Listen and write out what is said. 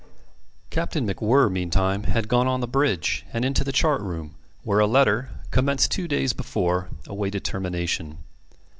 Captain MacWhirr meantime had gone on the bridge, and into the chart room, where a letter, commenced two days before, awaited termination.